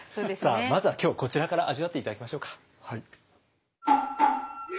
まずは今日こちらから味わって頂きましょうか。